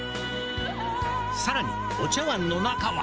更にお茶わんの中は！